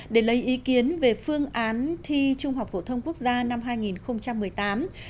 để lấy ý kiến về phương án thi trung học phổ thông quốc gia năm hai nghìn một mươi tám